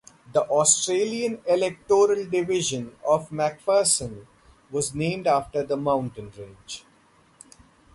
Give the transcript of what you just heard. The Australian electoral Division of McPherson was named after the mountain range.